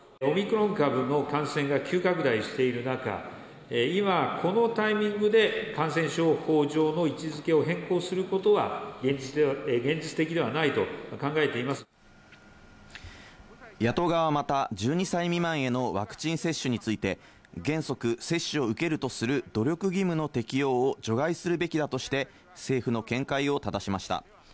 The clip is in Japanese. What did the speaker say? オミクロン株の感染が急拡大している中、今、このタイミングで感染症法上の位置づけを変更することは、現実的野党側はまた、１２歳未満へのワクチン接種について、原則、接種を受けるとする努力義務の適用を除外するべきだとして、政府の見解をただしました。